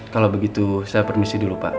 kalau begitu saya permisi dulu pak